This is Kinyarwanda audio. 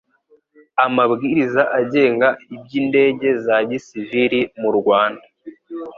Amabwiriza agenga Iby indege za Gisivili mu Rwanda